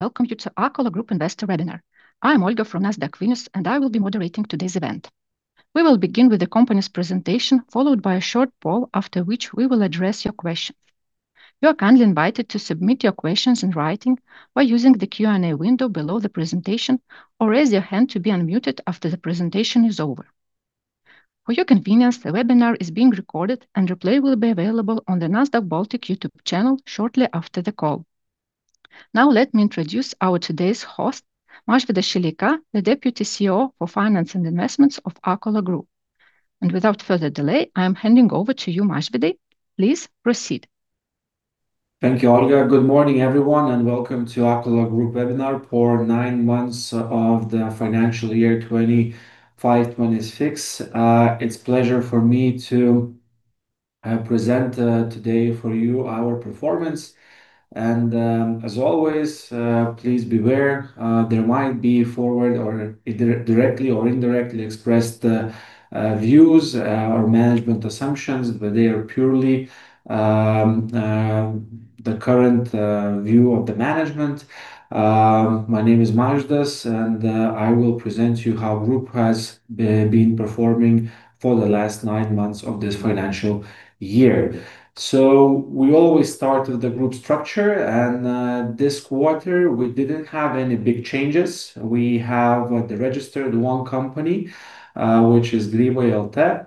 Welcome you to Akola Group Investor Webinar. I'm Olga from Nasdaq Vilnius, and I will be moderating today's event. We will begin with the company's presentation, followed by a short poll, after which we will address your questions. You are kindly invited to submit your questions in writing by using the Q&A window below the presentation, or raise your hand to be unmuted after the presentation is over. For your convenience, the webinar is being recorded, and replay will be available on the Nasdaq Baltic YouTube channel shortly after the call. Now let me introduce our today's host, Mažvydas Šileika, the Deputy CEO for Finance and Investments of Akola Group. Without further delay, I am handing over to you, Mažvydas. Please proceed. Thank you, Olga. Good morning, everyone. Welcome to Akola Group webinar for nine months of the financial year 2025-2026. It's pleasure for me to present today for you our performance. As always, please beware, there might be forward or either directly or indirectly expressed views or management assumptions. They are purely the current view of the management. My name is Mažvydas. I will present you how Group has been performing for the last nine months of this financial year. We always start with the Group structure. This quarter we didn't have any big changes. We have registered one company, which is Grybai LT.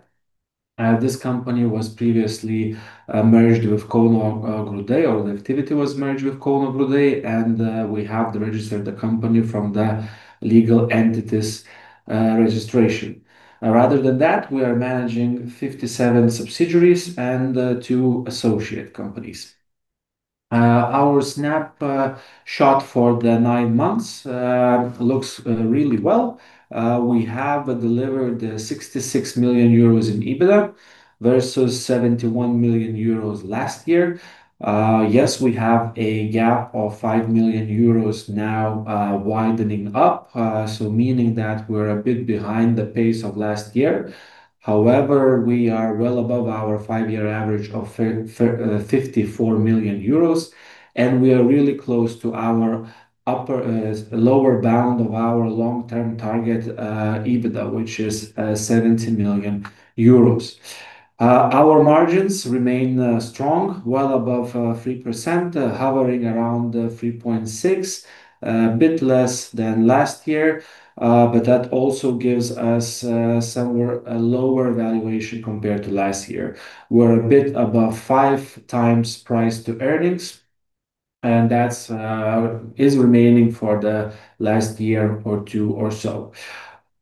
This company was previously merged with Kauno Grūdai. The activity was merged with Kauno Grūdai. We have registered the company from the legal entities registration. Rather than that, we are managing 57 subsidiaries and two associate companies. Our snapshot for the nine months looks really well. We have delivered 66 million euros in EBITDA versus 71 million euros last year. Yes, we have a gap of 5 million euros now widening up, so meaning that we're a bit behind the pace of last year. However, we are well above our five-year average of 54 million euros, and we are really close to our lower bound of our long-term target EBITDA, which is 70 million euros. Our margins remain strong, well above 3%, hovering around 3.6%. A bit less than last year, but that also gives us somewhere a lower valuation compared to last year. We're a bit above 5x price to earnings, and that's is remaining for the last year or two or so.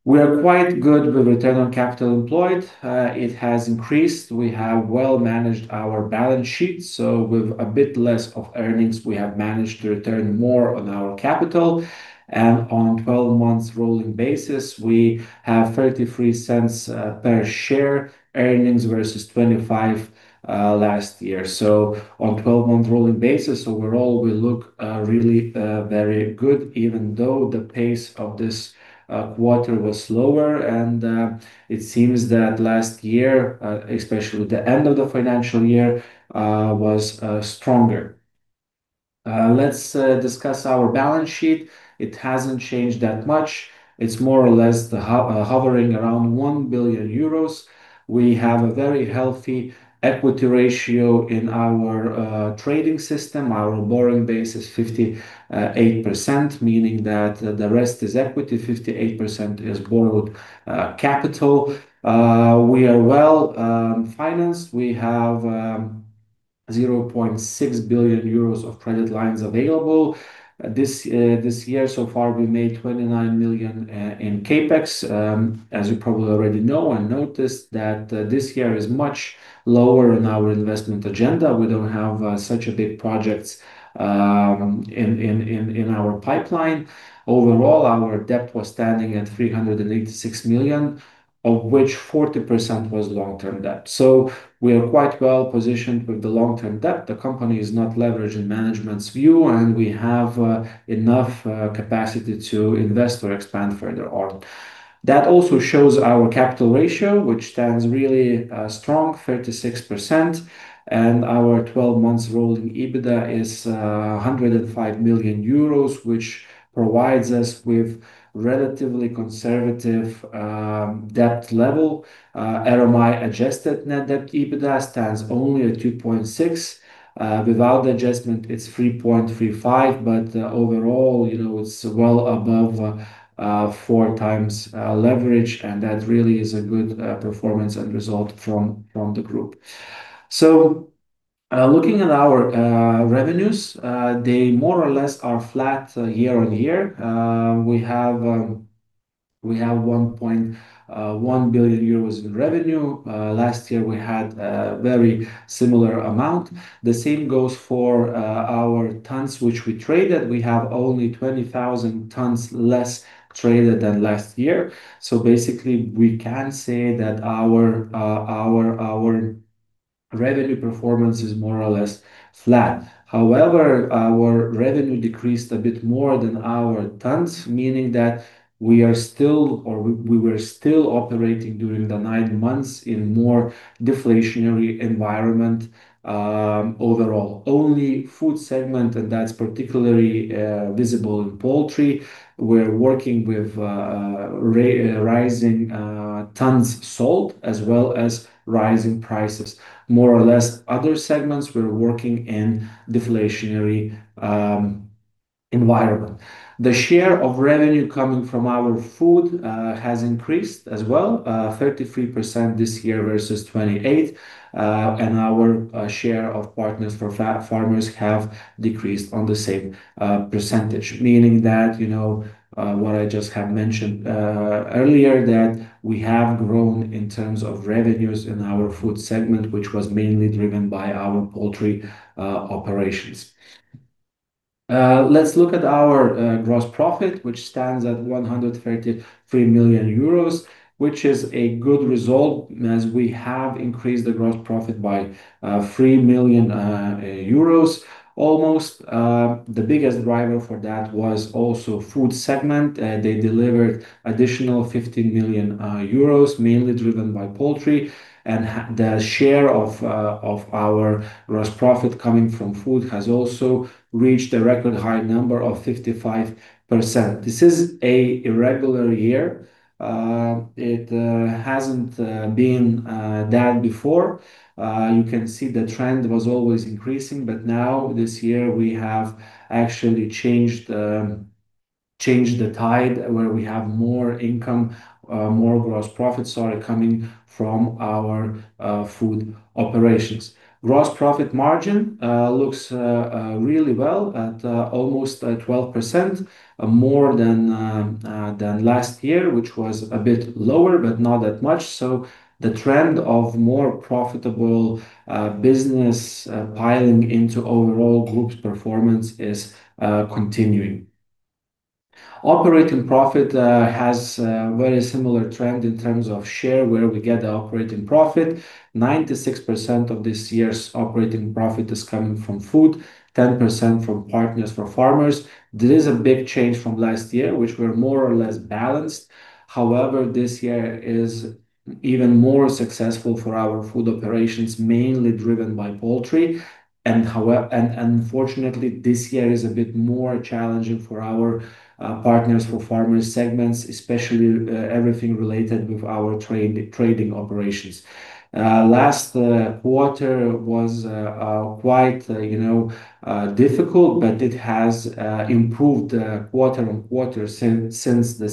We are quite good with Return on Capital Employed. It has increased. We have well managed our balance sheet, so with a bit less of earnings, we have managed to return more on our capital. On 12 months rolling basis, we have 0.33 per share earnings versus 0.25 last year. On 12-month rolling basis, overall, we look really very good even though the pace of this quarter was slower and it seems that last year, especially the end of the financial year, was stronger. Let's discuss our balance sheet. It hasn't changed that much. It's more or less hovering around 1 billion euros. We have a very healthy equity ratio in our trading system. Our borrowing base is 58%, meaning that the rest is equity, 58% is borrowed capital. We are well-financed. We have 0.6 billion euros of credit lines available. This year so far, we made 29 million in CapEx. As you probably already know and noticed that this year is much lower in our investment agenda. We don't have such a big projects in our pipeline. Overall, our debt was standing at 386 million, of which 40% was long-term debt. We are quite well-positioned with the long-term debt. The company is not leveraged in management's view, and we have enough capacity to invest or expand further on. That also shows our capital ratio, which stands really strong, 36%, and our 12 months rolling EBITDA is 105 million euros, which provides us with relatively conservative debt level. RMI-adjusted net debt EBITDA stands only at 2.6x. Without the adjustment, it's 3.35x, overall it's well above 4x leverage, and that really is a good performance and result from the group. Looking at our revenues, they more or less are flat year-on-year. We have 1.1 billion euros in revenue. Last year we had a very similar amount. The same goes for our tons which we traded. We have only 20,000 tons less traded than last year. Basically, we can say that our revenue performance is more or less flat. However, our revenue decreased a bit more than our tons, meaning that we were still operating during the nine months in a more deflationary environment overall. Only food segment, and that's particularly visible in poultry. We're working with rising tons sold as well as rising prices. More or less other segments, we're working in a deflationary environment. The share of revenue coming from our food has increased as well, 33% this year versus 28%. Our share of Partners for Farmers have decreased on the same percentage, meaning that what I just had mentioned earlier, that we have grown in terms of revenues in our food segment, which was mainly driven by our poultry operations. Let's look at our gross profit, which stands at 133 million euros, which is a good result as we have increased the gross profit by almost 3 million euros. The biggest driver for that was also food segment. They delivered additional 15 million euros, mainly driven by poultry, and the share of our gross profit coming from food has also reached a record high number of 55%. This is an irregular year. It hasn't been that before. You can see the trend was always increasing, but now this year, we have actually changed the tide where we have more income, more gross profits are coming from our food operations. Gross profit margin looks really well at almost 12%, more than last year, which was a bit lower, but not that much. The trend of more profitable business piling into overall Group's performance is continuing. Operating profit has a very similar trend in terms of share, where we get the operating profit. 96% of this year's operating profit is coming from food, 10% from Partners for Farmers. This is a big change from last year, which were more or less balanced. This year is even more successful for our food operations, mainly driven by poultry. Unfortunately, this year is a bit more challenging for our Partners for Farmers segments, especially everything related with our trading operations. Last quarter was quite difficult, but it has improved quarter-on-quarter since the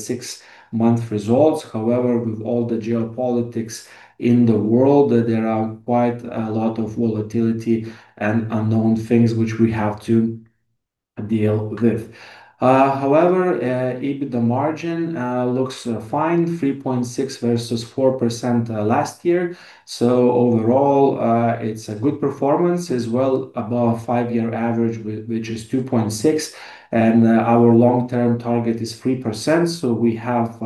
six-month results. With all the geopolitics in the world, there are quite a lot of volatility and unknown things which we have to deal with. EBITDA margin looks fine, 3.6% versus 4% last year. Overall, it's a good performance as well, above five-year average, which is 2.6%, and our long-term target is 3%. We have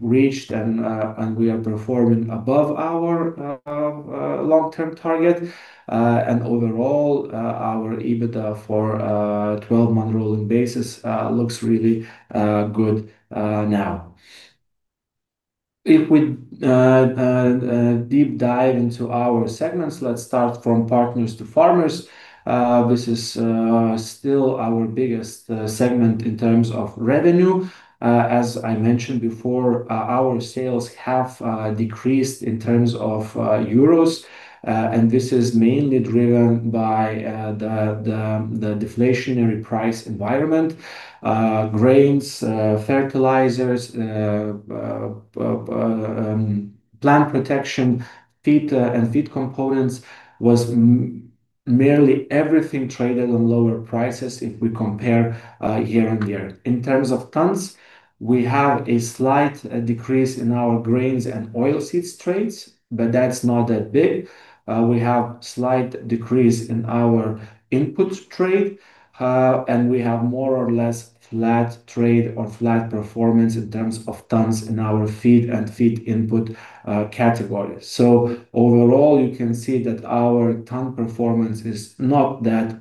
reached, and we are performing above our long-term target. Overall, our EBITDA for 12-month rolling basis looks really good now. If we deep dive into our segments, let's start from Partners for Farmers. This is still our biggest segment in terms of revenue. As I mentioned before, our sales have decreased in terms of euros, and this is mainly driven by the deflationary price environment. Grains, fertilizers, plant protection, feed, and feed components was merely everything traded on lower prices if we compare year-on-year. In terms of tons, we have a slight decrease in our grains and oil seeds trades, but that's not that big. We have slight decrease in our inputs trade, and we have more or less flat trade or flat performance in terms of tons in our feed and feed input categories. Overall, you can see that our ton performance is not that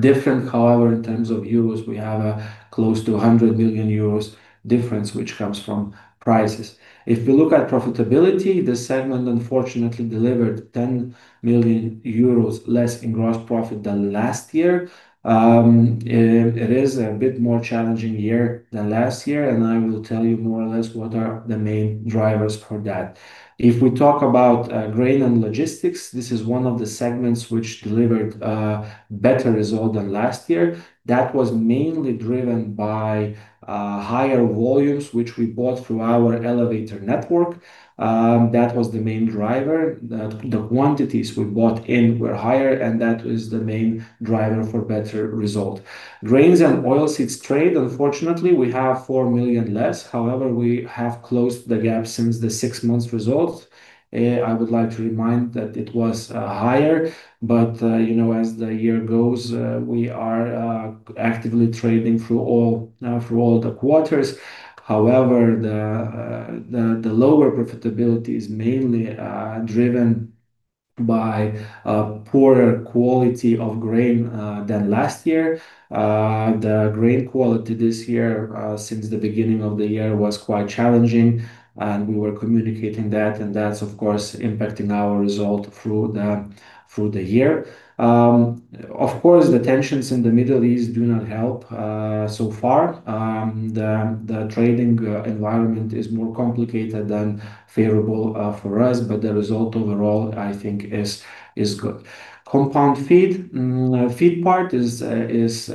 different. However, in terms of euros, we have a close to 100 million euros difference, which comes from prices. If we look at profitability, this segment unfortunately delivered 10 million euros less in gross profit than last year. It is a bit more challenging year than last year, and I will tell you more or less what are the main drivers for that. If we talk about grain and logistics, this is one of the segments which delivered a better result than last year. That was mainly driven by higher volumes, which we bought through our elevator network. That was the main driver, that the quantities we bought in were higher, and that is the main driver for better result. Grains and oil seeds trade, unfortunately, we have 4 million less. We have closed the gap since the six months results. I would like to remind that it was higher, as the year goes, we are actively trading through all the quarters. The lower profitability is mainly driven by poorer quality of grain than last year. The grain quality this year, since the beginning of the year, was quite challenging, and we were communicating that, and that's, of course, impacting our result through the year. Of course, the tensions in the Middle East do not help so far. The trading environment is more complicated than favorable for us, but the result overall, I think is good. Compound feed. Feed part is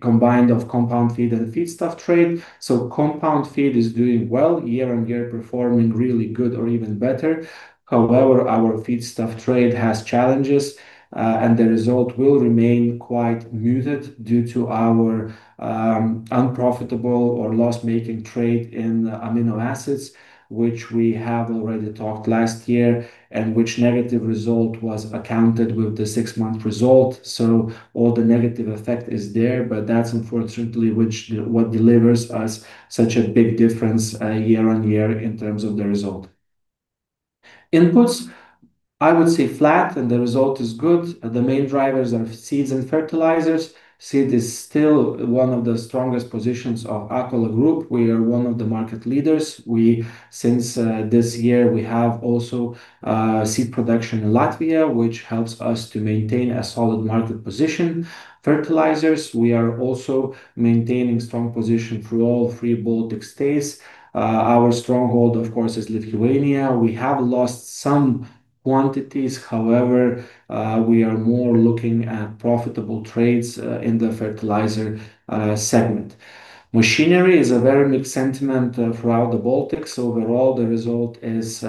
combined of compound feed and feedstock trade. Compound feed is doing well year-over-year, performing really good or even better. However, our feedstock trade has challenges, and the result will remain quite muted due to our unprofitable or loss-making trade in amino acids, which we have already talked last year, and which negative result was accounted with the six month result. All the negative effect is there, but that's unfortunately what delivers us such a big difference year-over-year in terms of the result. Inputs, I would say flat and the result is good. The main drivers are seeds and fertilizers. Seed is still one of the strongest positions of Akola Group. We are one of the market leaders. Since this year, we have also seed production in Latvia, which helps us to maintain a solid market position. Fertilizers, we are also maintaining strong position through all three Baltic States. Our stronghold, of course, is Lithuania. We have lost some quantities. We are more looking at profitable trades in the fertilizer segment. Machinery is a very mixed sentiment throughout the Baltics. Overall, the result is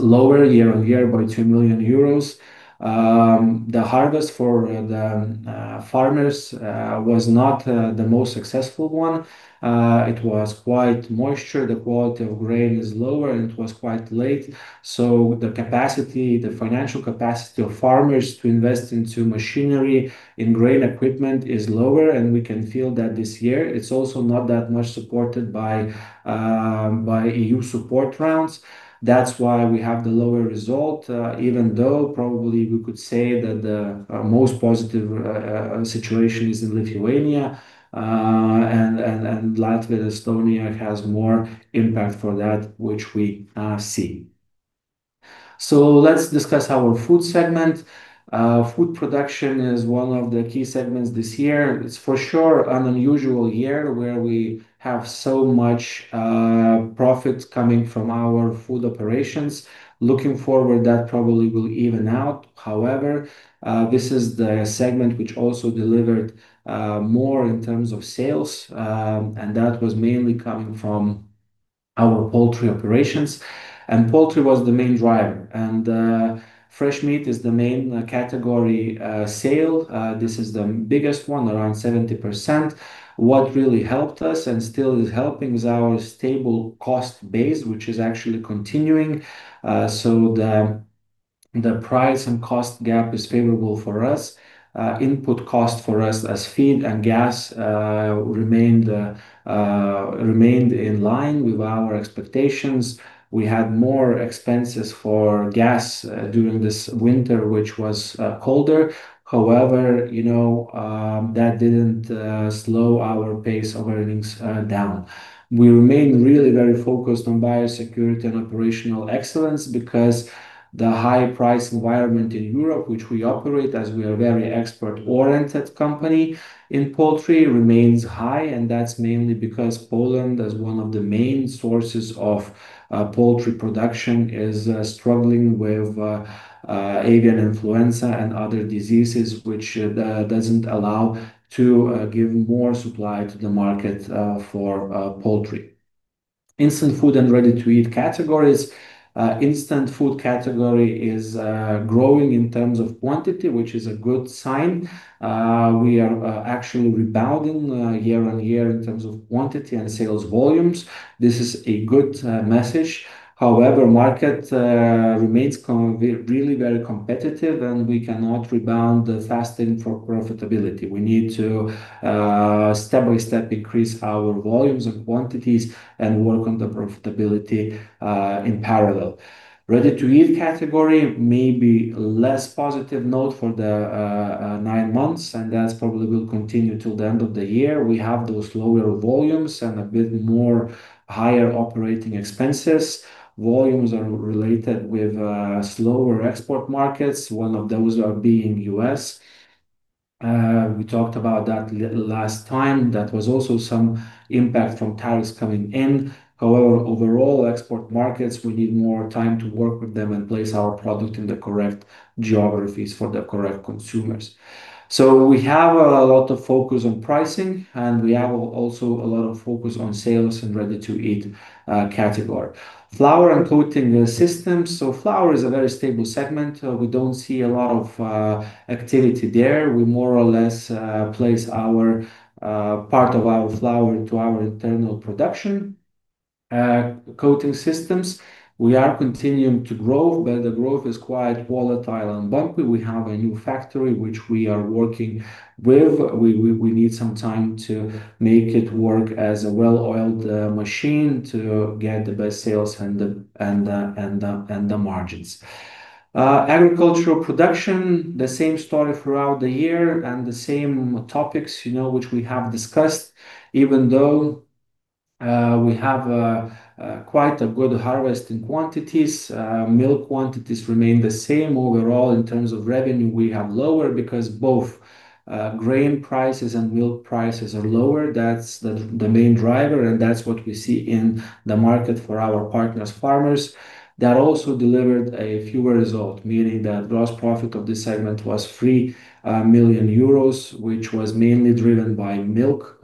lower year-over-year by 2 million euros. The harvest for the farmers was not the most successful one. It was quite moisture. The quality of grain is lower, and it was quite late. The financial capacity of farmers to invest into machinery and grain equipment is lower, and we can feel that this year. It's also not that much supported by EU support rounds. That's why we have the lower result, even though probably we could say that the most positive situation is in Lithuania, and Latvia, Estonia has more impact for that, which we see. Let's discuss our food segment. Food production is one of the key segments this year. It's for sure an unusual year where we have so much profit coming from our food operations. Looking forward, that probably will even out. However, this is the segment which also delivered more in terms of sales, and that was mainly coming from our poultry operations. Poultry was the main driver, and fresh meat is the main category sale. This is the biggest one, around 70%. What really helped us and still is helping is our stable cost base, which is actually continuing. The price and cost gap is favorable for us. Input cost for us as feed and gas remained in line with our expectations. We had more expenses for gas during this winter, which was colder. That didn't slow our pace of earnings down. We remain really very focused on biosecurity and operational excellence because the high-price environment in Europe, which we operate as we are very export-oriented company in poultry, remains high, and that's mainly because Poland, as one of the main sources of poultry production, is struggling with avian influenza and other diseases, which doesn't allow to give more supply to the market for poultry. Instant food and ready-to-eat categories. Instant food category is growing in terms of quantity, which is a good sign. We are actually rebounding year-over-year in terms of quantity and sales volumes. This is a good message. Market remains really very competitive, and we cannot rebound fast in for profitability. We need to step by step increase our volumes and quantities and work on the profitability in parallel. ready-to-eat category may be less positive note for the nine months, and that probably will continue till the end of the year. We have those lower volumes and a bit more higher operating expenses. Volumes are related with slower export markets, one of those are being U.S. We talked about that last time. That was also some impact from tariffs coming in. Overall, export markets, we need more time to work with them and place our product in the correct geographies for the correct consumers. We have a lot of focus on pricing, and we have also a lot of focus on sales and ready-to-eat category. Flour and coating systems. Flour is a very stable segment. We don't see a lot of activity there. We more or less place part of our flour into our internal production. Coating systems, we are continuing to grow. The growth is quite volatile and bumpy. We have a new factory which we are working with. We need some time to make it work as a well-oiled machine to get the best sales and the margins. Agricultural production, the same story throughout the year and the same topics, which we have discussed. Even though we have quite a good harvest in quantities, milk quantities remain the same overall. In terms of revenue, we have lower because both grain prices and milk prices are lower. That's the main driver. That's what we see in the market for our Partners for Farmers. That also delivered a fewer result, meaning that gross profit of this segment was 3 million euros, which was mainly driven by milk,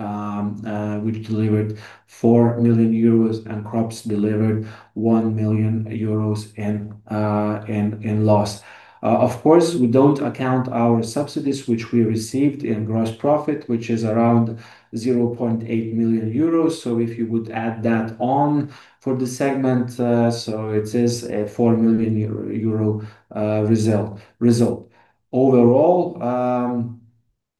which delivered 4 million euros, and crops delivered 1 million euros in loss. Of course, we don't account our subsidies, which we received in gross profit, which is around 0.8 million euros. If you would add that on for the segment, it is a 4 million euro result. Overall,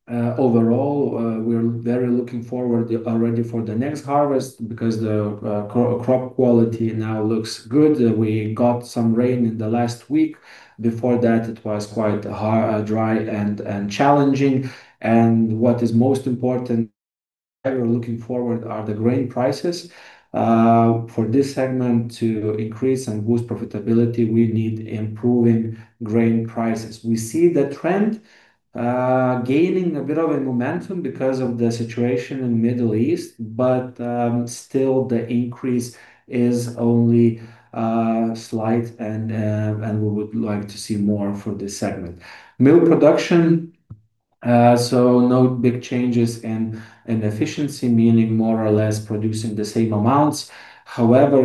we're very looking forward already for the next harvest because the crop quality now looks good. We got some rain in the last week. Before that, it was quite dry and challenging. What is most important, we're looking forward are the grain prices. For this segment to increase and boost profitability, we need improving grain prices. We see the trend gaining a bit of a momentum because of the situation in Middle East, still the increase is only slight. We would like to see more for this segment. Milk production, no big changes in efficiency, meaning more or less producing the same amounts. However,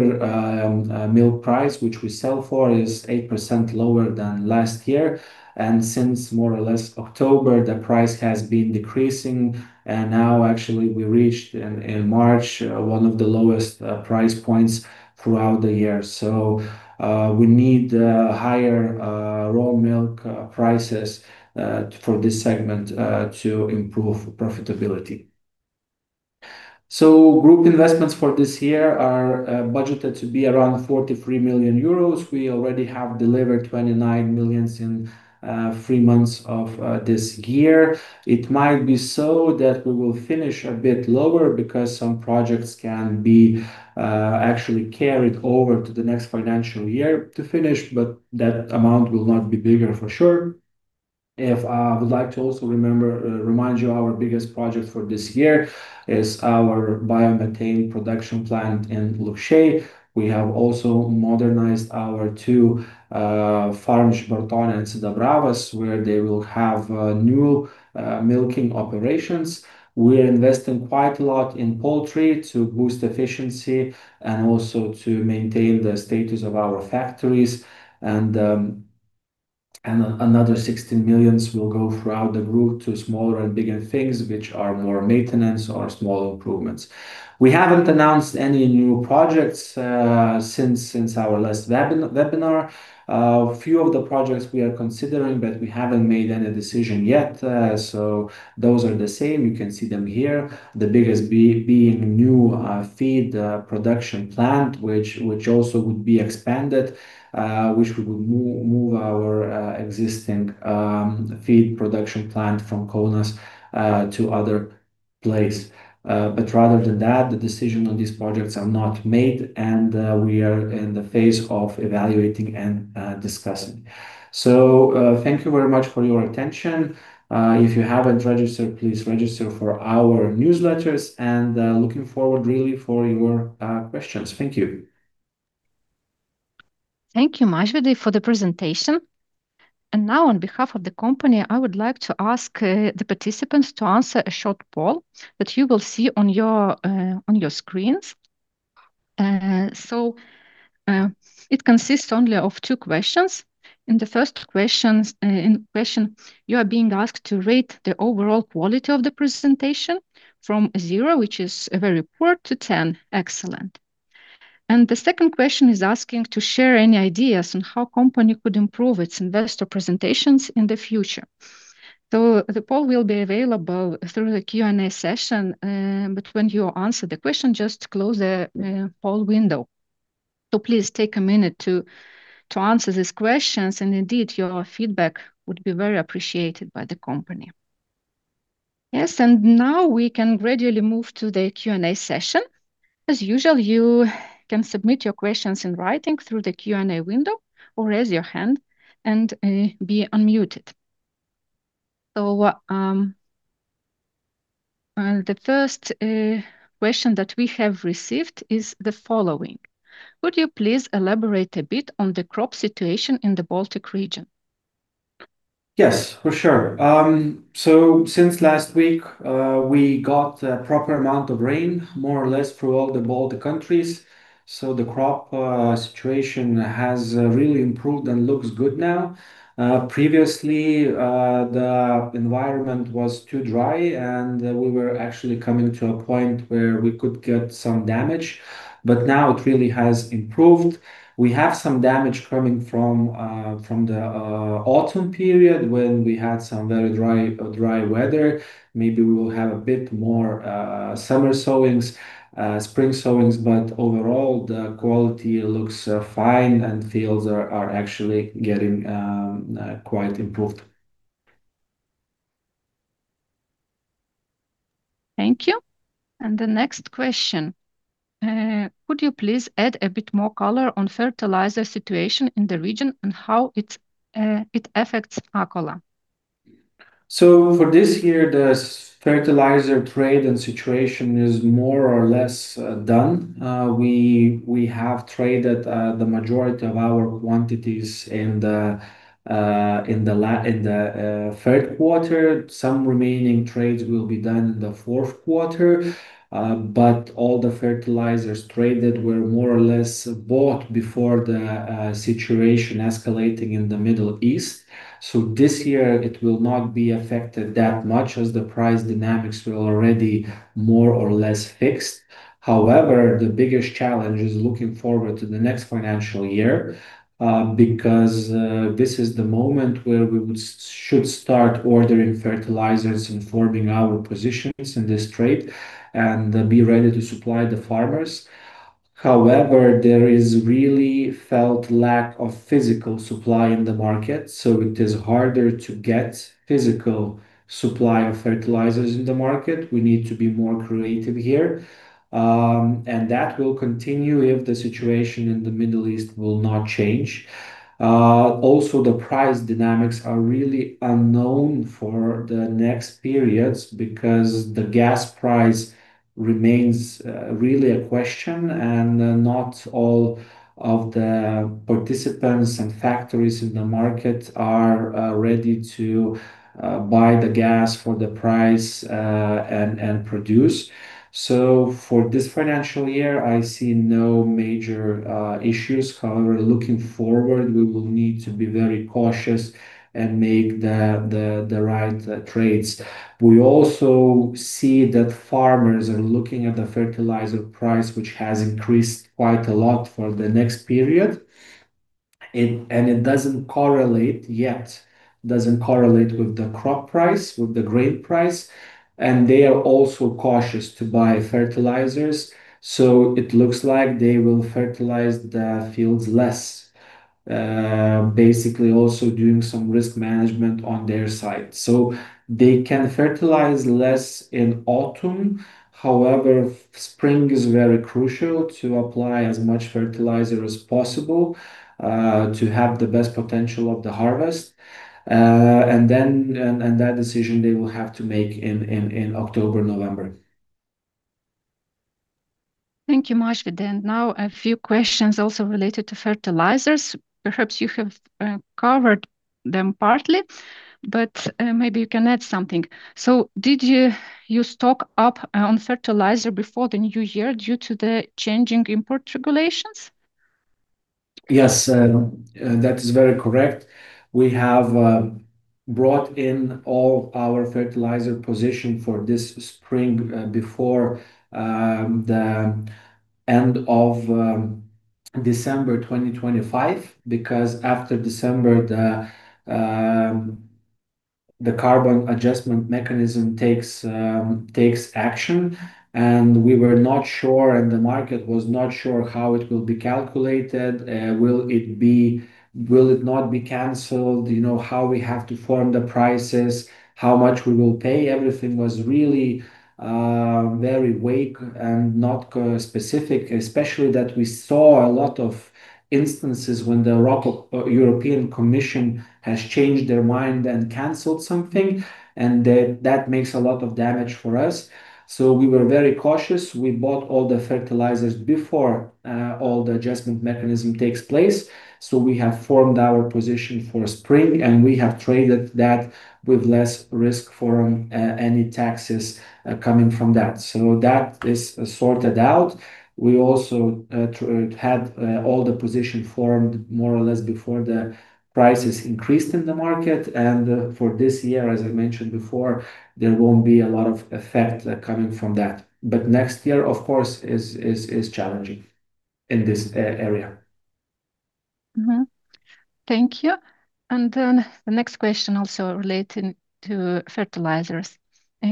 milk price, which we sell for, is 8% lower than last year. Since more or less October, the price has been decreasing. Now actually we reached in March one of the lowest price points throughout the year. We need higher raw milk prices for this segment to improve profitability. Group investments for this year are budgeted to be around 43 million euros. We already have delivered 29 million in three months of this year. It might be so that we will finish a bit lower because some projects can be actually carried over to the next financial year to finish, but that amount will not be bigger for sure. I would like to also remind you our biggest project for this year is our biomethane production plant in Lukšiai. We have also modernized our two farms, Žibartonių and Sidabravo, where they will have new milking operations. We are investing quite a lot in poultry to boost efficiency and also to maintain the status of our factories. Another 16 million will go throughout the group to smaller and bigger things, which are more maintenance or small improvements. We haven't announced any new projects since our last webinar. Few of the projects we are considering, but we haven't made any decision yet. Those are the same. You can see them here. The biggest being new feed production plant, which also would be expanded, which we would move our existing feed production plant from Kaunas to other place. Rather than that, the decision on these projects are not made, and we are in the phase of evaluating and discussing. Thank you very much for your attention. If you haven't registered, please register for our newsletters, and looking forward really for your questions. Thank you. Thank you, Mažvydas, for the presentation. Now on behalf of the company, I would like to ask the participants to answer a short poll that you will see on your screens. It consists only of two questions. In the first question, you are being asked to rate the overall quality of the presentation from zero, which is a very poor, to 10, excellent. The second question is asking to share any ideas on how company could improve its investor presentations in the future. The poll will be available through the Q&A session, but when you answer the question, just close the poll window. Please take a minute to answer these questions, and indeed, your feedback would be very appreciated by the company. Yes, now we can gradually move to the Q&A session. As usual, you can submit your questions in writing through the Q&A window or raise your hand and be unmuted. The first question that we have received is the following. Would you please elaborate a bit on the crop situation in the Baltic region? Yes, for sure. Since last week, we got a proper amount of rain, more or less throughout all the Baltic countries. The crop situation has really improved and looks good now. Previously, the environment was too dry, and we were actually coming to a point where we could get some damage. Now it really has improved. We have some damage coming from the autumn period when we had some very dry weather. Maybe we will have a bit more summer sowings, spring sowings, but overall, the quality looks fine, and fields are actually getting quite improved. Thank you. The next question, could you please add a bit more color on fertilizer situation in the region and how it affects Akola? For this year, the fertilizer trade and situation is more or less done. We have traded the majority of our quantities in the third quarter. Some remaining trades will be done in the fourth quarter. All the fertilizers traded were more or less bought before the situation escalating in the Middle East. This year it will not be affected that much as the price dynamics were already more or less fixed. However, the biggest challenge is looking forward to the next financial year, because this is the moment where we should start ordering fertilizers and forming our positions in this trade and be ready to supply the farmers. However, there is really felt lack of physical supply in the market, so it is harder to get physical supply of fertilizers in the market. We need to be more creative here. That will continue if the situation in the Middle East will not change. The price dynamics are really unknown for the next periods because the gas price remains really a question and not all of the participants and factories in the market are ready to buy the gas for the price and produce. For this financial year, I see no major issues. However, looking forward, we will need to be very cautious and make the right trades. We also see that farmers are looking at the fertilizer price, which has increased quite a lot for the next period, and it doesn't correlate yet with the crop price, with the grain price, and they are also cautious to buy fertilizers. It looks like they will fertilize the fields less, basically also doing some risk management on their side. They can fertilize less in autumn. However, spring is very crucial to apply as much fertilizer as possible, to have the best potential of the harvest. That decision they will have to make in October, November. Thank you, Mažvydas. A few questions also related to fertilizers. Perhaps you have covered them partly, but maybe you can add something. Did you stock up on fertilizer before the new year due to the changing import regulations? That is very correct. We have brought in all our fertilizer position for this spring before the end of December 2025, because after December, the Carbon Adjustment Mechanism takes action and we were not sure, and the market was not sure how it will be calculated. Will it not be canceled? How we have to form the prices, how much we will pay. Everything was really very vague and not specific, especially that we saw a lot of instances when the European Commission has changed their mind and canceled something, and that makes a lot of damage for us. We were very cautious. We bought all the fertilizers before all the adjustment mechanism takes place. We have formed our position for spring, and we have traded that with less risk for any taxes coming from that. That is sorted out. We also had all the position formed more or less before the prices increased in the market. For this year, as I mentioned before, there won't be a lot of effect coming from that. Next year, of course, is challenging in this area. Mm-hmm. Thank you. The next question also relating to fertilizers.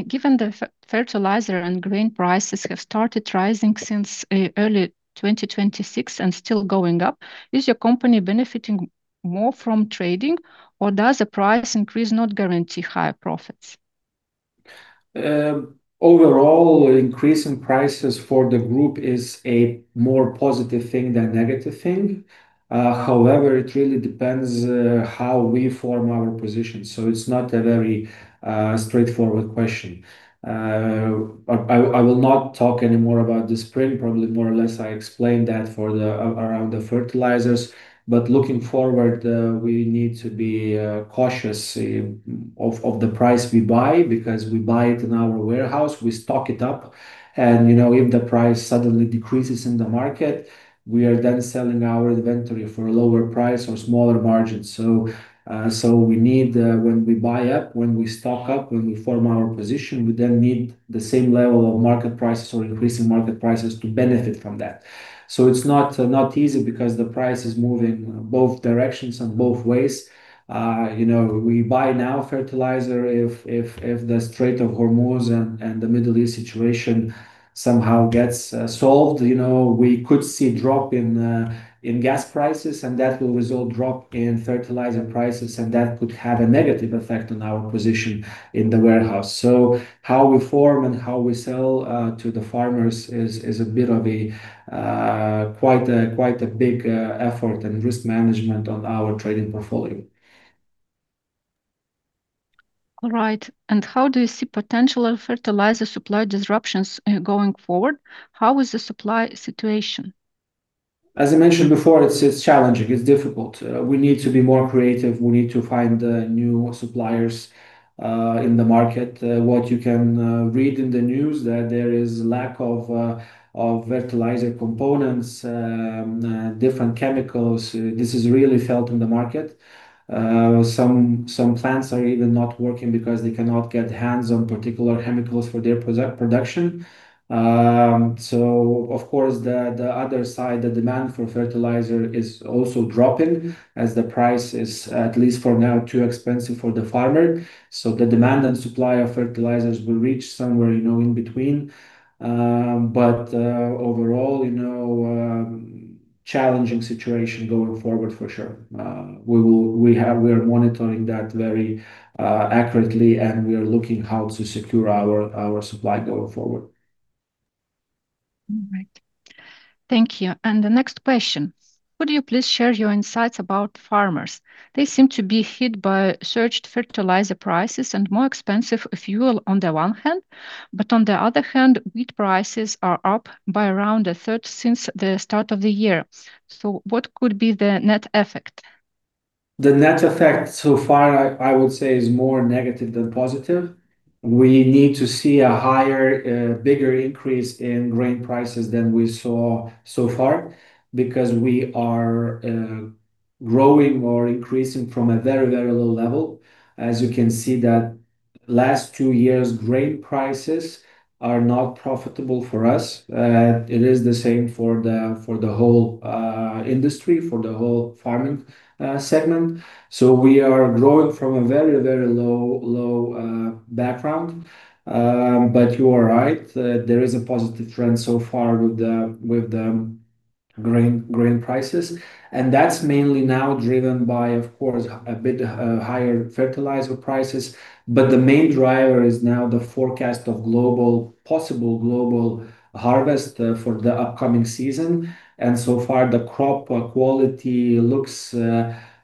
Given the fertilizer and grain prices have started rising since early 2026 and still going up, is your company benefiting more from trading or does the price increase not guarantee higher profits? Overall increase in prices for the group is a more positive thing than negative thing. It really depends how we form our position. It's not a very straightforward question. I will not talk anymore about the spring, probably more or less I explained that around the fertilizers. Looking forward, we need to be cautious of the price we buy because we buy it in our warehouse, we stock it up, and if the price suddenly decreases in the market, we are then selling our inventory for a lower price or smaller margin. We need, when we buy up, when we stock up, when we form our position, we then need the same level of market prices or increase in market prices to benefit from that. It's not easy because the price is moving both directions and both ways. We buy now fertilizer. If the Strait of Hormuz and the Middle East situation somehow gets solved, we could see drop in gas prices and that will result drop in fertilizer prices and that could have a negative effect on our position in the warehouse. How we form and how we sell to the farmers is a bit of quite a big effort and risk management on our trading portfolio. All right. How do you see potential fertilizer supply disruptions going forward? How is the supply situation? As I mentioned before, it's challenging. It's difficult. We need to be more creative. We need to find new suppliers in the market. What you can read in the news, that there is lack of fertilizer components, different chemicals. This is really felt in the market. Some plants are even not working because they cannot get hands on particular chemicals for their production. Of course, the other side, the demand for fertilizer is also dropping as the price is, at least for now, too expensive for the farmer. The demand and supply of fertilizers will reach somewhere in between. Overall, challenging situation going forward, for sure. We are monitoring that very accurately, and we are looking how to secure our supply going forward. All right. Thank you. The next question, could you please share your insights about farmers? They seem to be hit by surged fertilizer prices and more expensive fuel on the one hand, but on the other hand, wheat prices are up by around a third since the start of the year. What could be the net effect? The net effect so far, I would say, is more negative than positive. We need to see a higher, bigger increase in grain prices than we saw so far because we are growing or increasing from a very low level. As you can see, that last two years, grain prices are not profitable for us. It is the same for the whole industry, for the whole farming segment. We are growing from a very low background. You are right, there is a positive trend so far with the grain prices, and that's mainly now driven by, of course, a bit higher fertilizer prices. The main driver is now the forecast of possible global harvest for the upcoming season. So far, the crop quality looks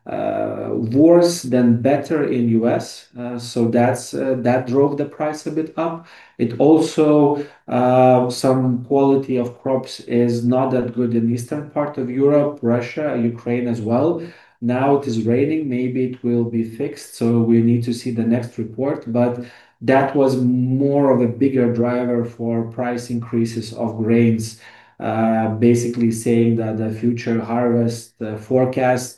worse than better in U.S. That drove the price a bit up. It also, some quality of crops is not that good in eastern part of Europe, Russia, Ukraine as well. Now it is raining, maybe it will be fixed. We need to see the next report, but that was more of a bigger driver for price increases of grains. Basically saying that the future harvest forecast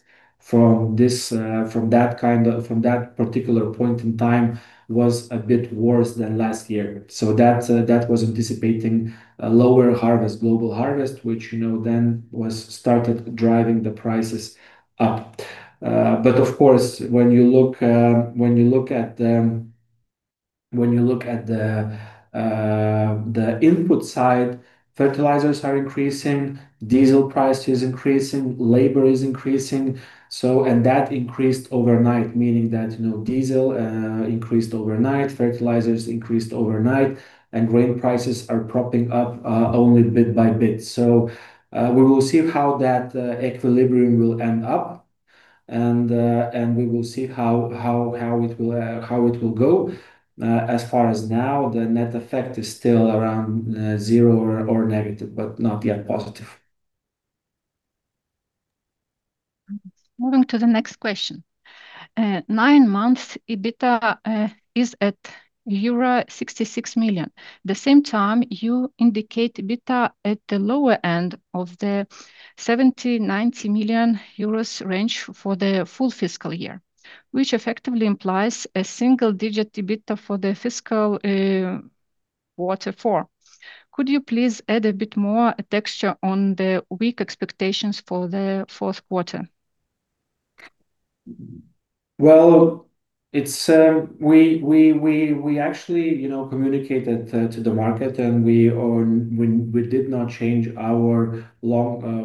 from that particular point in time was a bit worse than last year. That was anticipating a lower global harvest, which then started driving the prices up. Of course, when you look at the input side, fertilizers are increasing, diesel price is increasing, labor is increasing. That increased overnight, meaning that diesel increased overnight, fertilizers increased overnight, and grain prices are propping up only bit by bit. We will see how that equilibrium will end up, and we will see how it will go. As far as now, the net effect is still around zero or negative, but not yet positive. Moving to the next question. Nine months, EBITDA is at euro 66 million. At the same time, you indicate EBITDA at the lower end of the 70 million-90 million euros range for the full fiscal year, which effectively implies a single-digit EBITDA for the fiscal quarter four. Could you please add a bit more texture on the weak expectations for the fourth quarter? We actually communicated to the market, we did not change our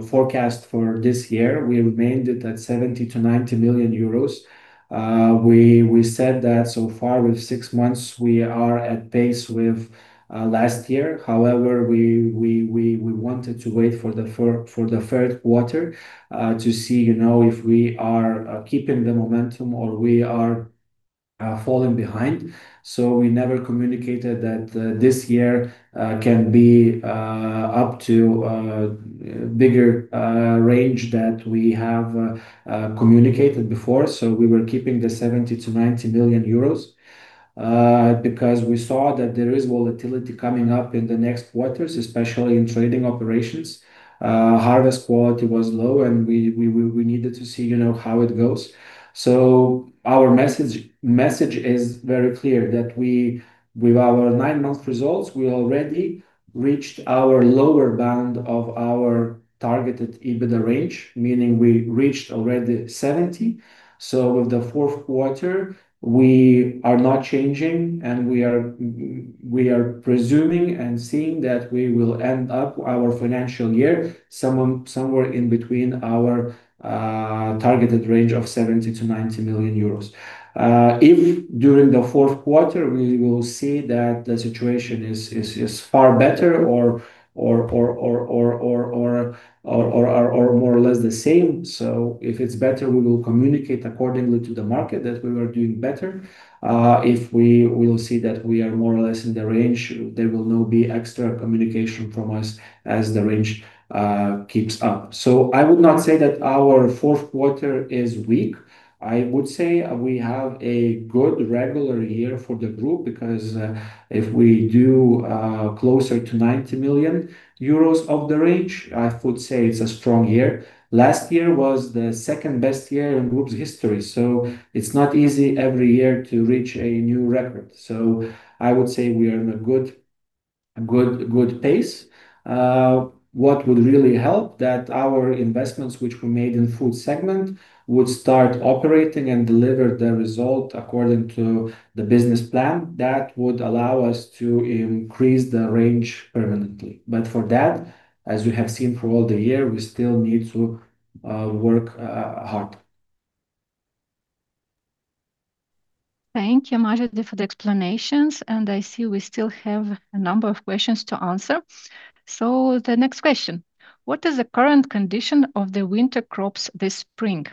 forecast for this year. We remained it at 70 million-90 million euros. We said that so far with six months, we are at pace with last year. We wanted to wait for the third quarter to see if we are keeping the momentum or we are falling behind. We never communicated that this year can be up to a bigger range that we have communicated before. We were keeping the 70 million-90 million euros, because we saw that there is volatility coming up in the next quarters, especially in trading operations. Harvest quality was low, we needed to see how it goes. Our message is very clear that with our nine-month results, we already reached our lower bound of our targeted EBITDA range, meaning we reached already 70 million. With the fourth quarter, we are not changing, and we are presuming and seeing that we will end up our financial year somewhere in between our targeted range of 70 million-90 million euros. If during the fourth quarter we will see that the situation is far better or more or less the same, so if it's better, we will communicate accordingly to the market that we were doing better. If we will see that we are more or less in the range, there will not be extra communication from us as the range keeps up. I would not say that our fourth quarter is weak. I would say we have a good regular year for the group because if we do closer to 90 million euros of the range, I would say it's a strong year. Last year was the second-best year in Group's history. It's not easy every year to reach a new record. I would say we are in a good pace. What would really help, that our investments, which we made in food segment, would start operating and deliver the result according to the business plan. That would allow us to increase the range permanently. For that, as we have seen through all the year, we still need to work hard. Thank you, Mažvydas, for the explanations, and I see we still have a number of questions to answer. The next question: What is the current condition of the winter crops this spring?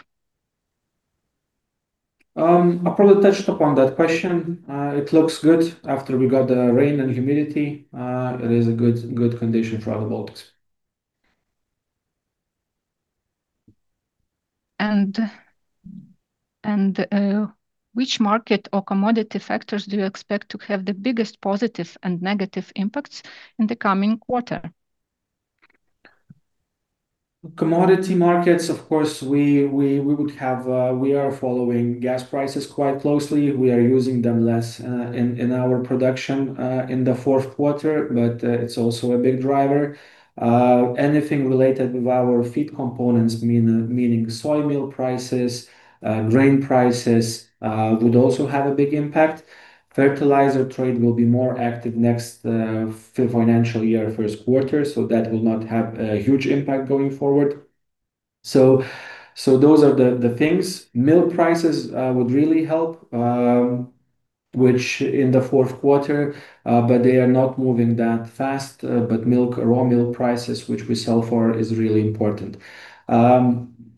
I probably touched upon that question. It looks good after we got the rain and humidity. It is a good condition for our crops. Which market or commodity factors do you expect to have the biggest positive and negative impacts in the coming quarter? Commodity markets, of course, we are following gas prices quite closely. We are using them less in our production in the fourth quarter, it's also a big driver. Anything related with our feed components, meaning soy meal prices, grain prices, would also have a big impact. Fertilizer trade will be more active next financial year, first quarter, that will not have a huge impact going forward. Those are the things. Milk prices would really help, which in the fourth quarter, they are not moving that fast. Raw milk prices, which we sell for, is really important.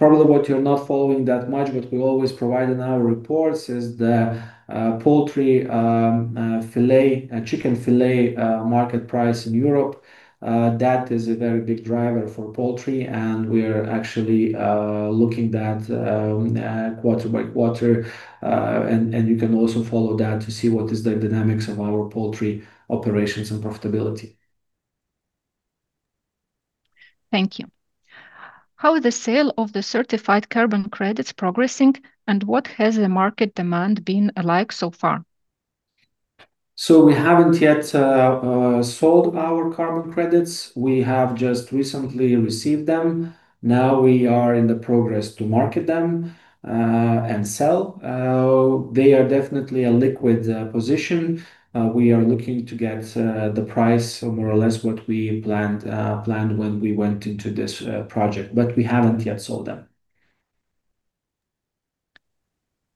Probably what you're not following that much, we always provide in our reports is the poultry filet, chicken filet market price in Europe. That is a very big driver for poultry, we are actually looking at quarter-by-quarter. You can also follow that to see what is the dynamics of our poultry operations and profitability. Thank you. How is the sale of the certified carbon credits progressing, and what has the market demand been like so far? We haven't yet sold our carbon credits. We have just recently received them. Now we are in progress to market them and sell. They are definitely a liquid position. We are looking to get the price more or less what we planned when we went into this project, but we haven't yet sold them.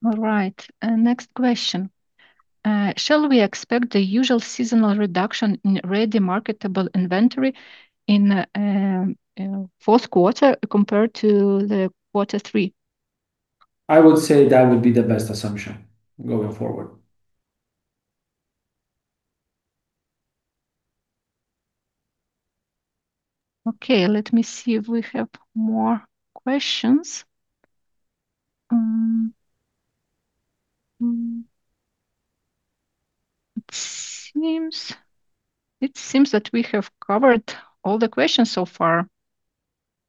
All right. Next question. Shall we expect the usual seasonal reduction in ready marketable inventory in fourth quarter compared to the quarter three? I would say that would be the best assumption going forward. Okay, let me see if we have more questions. It seems that we have covered all the questions so far,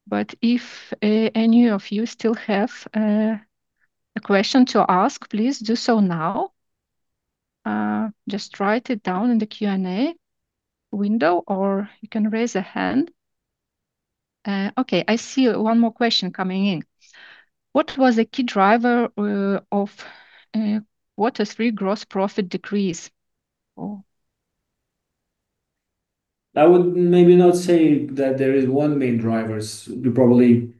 but if any of you still have a question to ask, please do so now. Just write it down in the Q&A window, or you can raise a hand. Okay, I see one more question coming in. What was a key driver of quarter three gross profit decrease? Oh. I would maybe not say that there is one main drivers. Probably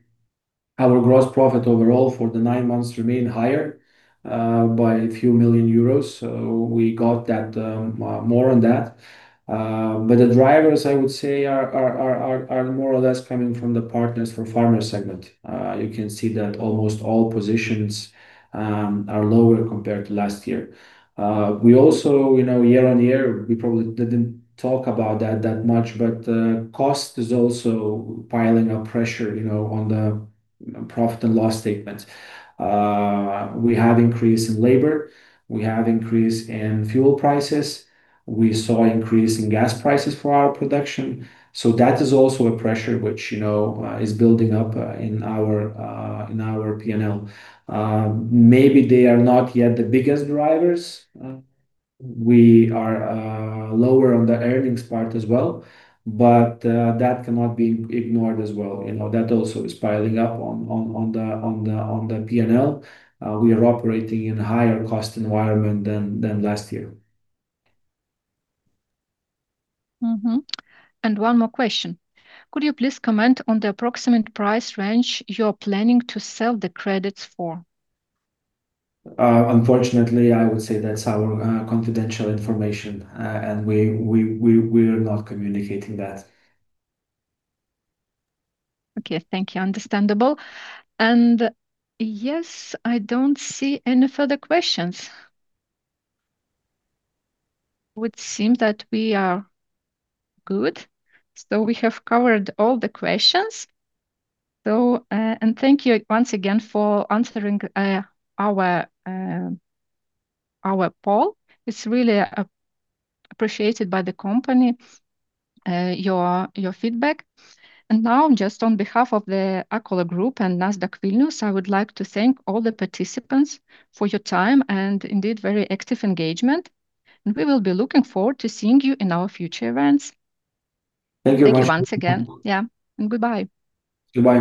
our gross profit overall for the nine months remain higher, by a few 1 million euros. We got that, more on that. The drivers, I would say, are more or less coming from the Partners for Farmers segment. You can see that almost all positions are lower compared to last year. We also, year-over-year, we probably didn't talk about that that much, cost is also piling up pressure on the profit and loss statement. We have increase in labor. We have increase in fuel prices. We saw increase in gas prices for our production. That is also a pressure which is building up in our P&L. Maybe they are not yet the biggest drivers. We are lower on the earnings part as well, that cannot be ignored as well. That also is piling up on the P&L. We are operating in higher cost environment than last year. Mm-hmm. One more question. Could you please comment on the approximate price range you're planning to sell the credits for? Unfortunately, I would say that's our confidential information, and we're not communicating that. Okay. Thank you. Understandable. Yes, I don't see any further questions. Would seem that we are good. We have covered all the questions. Thank you once again for answering our poll. It's really appreciated by the company, your feedback. Now, just on behalf of the Akola Group and Nasdaq Vilnius, I would like to thank all the participants for your time and indeed very active engagement, and we will be looking forward to seeing you in our future events. Thank you once again. Thank you once again. Yeah. Goodbye. Goodbye.